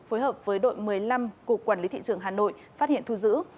phối hợp với đội một mươi năm cục quản lý thị trường hà nội phát hiện thu giữ